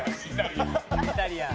「イタリアン」